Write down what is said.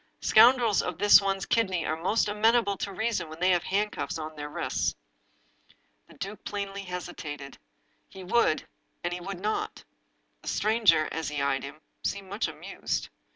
Scoundrels of this one's kidney are most amenable to reason when they have hand cuffs on their wrists." The duke plainly hesitated. He would — and he would not. The stranger, as he eyed him, seemed much amused.